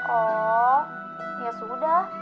oh ya sudah